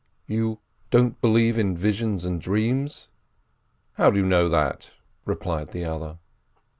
"You don't believe in visions and dreams?" "How do you know that?" replied the other.